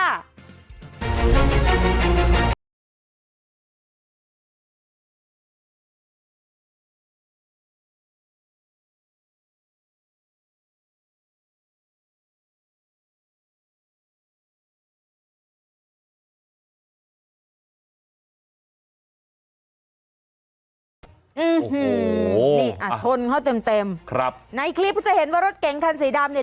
อืมนี่อ่ะชนเขาเต็มเต็มครับในคลิปจะเห็นว่ารถเก๋งคันสีดำเนี่ย